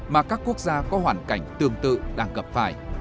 mà các quốc gia có hoàn cảnh tương tự đang gặp phải